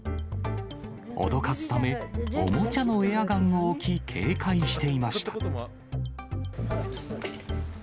脅かすため、おもちゃのエアガンを置き、警戒していました。